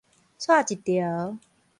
掣一趒